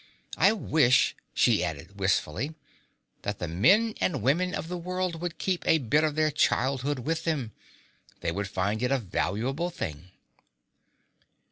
I wish," she added wistfully, "that the men and women of the world would keep a bit of their childhood with them. They would find it a valuable thing."